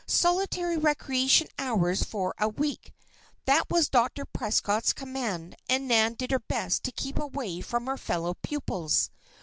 "Solitary recreation hours for a week." That was Dr. Prescott's command and Nan did her best to keep away from her fellow pupils.